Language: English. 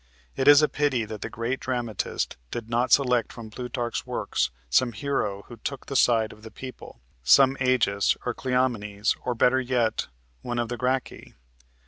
It is a pity that the great dramatist did not select from Plutarch's works some hero who took the side of the people, some Agis or Cleomenes, or, better yet, one of the Gracchi.